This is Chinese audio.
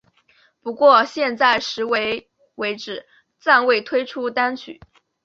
不过在现时为止暂未推出单曲。